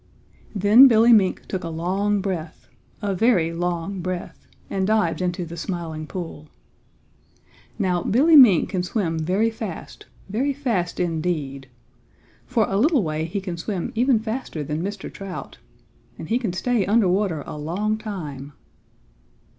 Then Billy Mink took a long breath, a very long breath, and dived into the Smiling Pool. Now, Billy Mink can swim very fast, very fast indeed. For a little way he can swim even faster than Mr. Trout. And he can stay under water a long time.